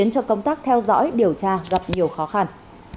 cho công tác theo dõi điều tra gặp nhiều khó khăn